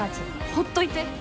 ほっといて。